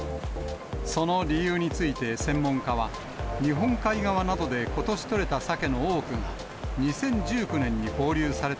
その理由について、専門家は、日本海側などでことし取れたサケの多くが、２０１９年に放流され